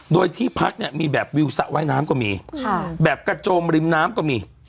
โดยที่พักเนี่ยมีแบบวิวสระว่ายน้ำก็มีค่ะแบบกระโจมริมน้ำก็มี